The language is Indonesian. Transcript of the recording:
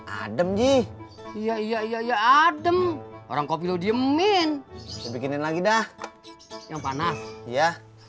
adem ji iya iya iya iya adem orang kopi lo diemin bikinin lagi dah yang panas ya